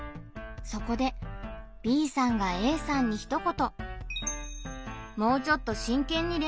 そこでＢさんがＡさんにひと言。